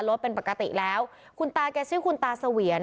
รถเป็นปกติแล้วคุณตาแกชื่อคุณตาเสวียน